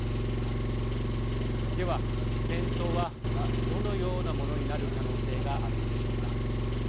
では、戦闘はどのようなものになる可能性があるのでしょうか。